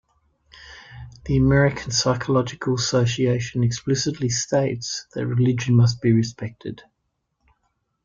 The American Psychological Association explicitly states that religion must be respected.